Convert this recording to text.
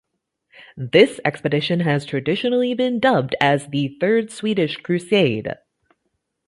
This expedition has traditionally been dubbed as the Third Swedish Crusade.